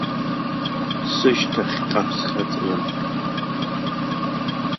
Сышьҭахьҟа схьаҵрын.